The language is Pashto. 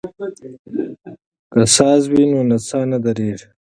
که ساز وي نو نڅا نه ودریږي.